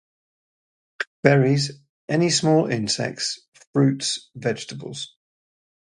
Berries, any small insects, fruits, vegetables.